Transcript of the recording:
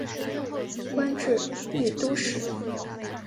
官至都御史。